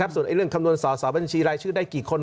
ส่วนเรื่องคำนวณสอสอบัญชีรายชื่อได้กี่คน